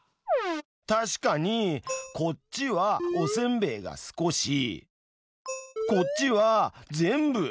確かにこっちはおせんべいが少しこっちは全部。